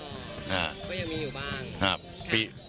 ก็ยังมีอยู่บ้าง